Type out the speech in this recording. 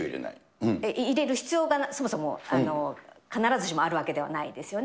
入れる必要がそもそも必ずしもあるわけではないですよね。